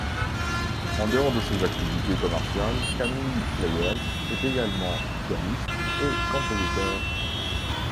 En dehors de ses activités commerciales, Camille Pleyel est également pianiste et compositeur.